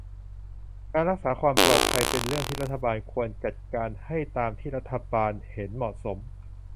งานรักษาความปลอดภัย เป็นเรื่องที่รัฐบาลควรจัดการให้ตามที่รัฐบาลห็นเหมาะสม